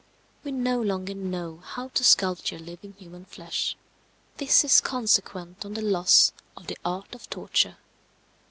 We no longer know how to sculpture living human flesh; this is consequent on the loss of the art of torture.